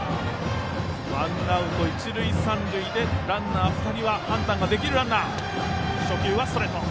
ワンアウト一塁三塁でランナー２人は判断ができるランナー。